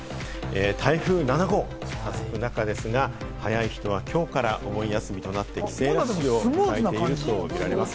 台風７号が近づく中ですが、早い人はきょうからお盆休みとなって帰省ラッシュを迎えていると見られます。